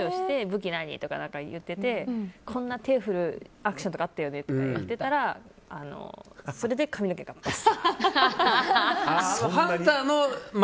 武器何？とか言っててこんな手を振るアクションとかあったよねとか言ってたらそれで髪の毛がバサッと。